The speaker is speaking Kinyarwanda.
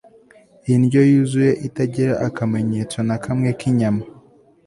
indyo yuzuye itagira akamenyetso na kamwe kinyama